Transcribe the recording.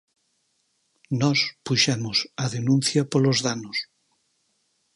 Nós puxemos a denuncia polos danos.